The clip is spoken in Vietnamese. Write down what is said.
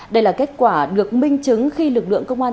đây là kết quả được minh chứng khi lực lượng công an